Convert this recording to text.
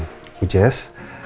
untuk membantu perusahaan qjs